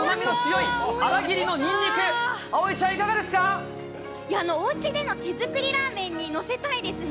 いや、おうちでの手作りラーメンに載せたいですね。